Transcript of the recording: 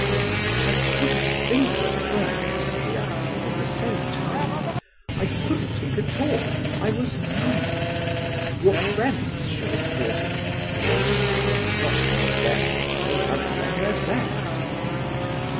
"I couldn't think at first," he answered in the same tongue; "I couldn't think at all: I was numbed." "Your friends should have thought of it," I insisted, not knowing then that they had done their best.